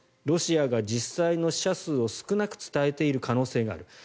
ロシアが実際の死者数を少なく伝えている可能性がある。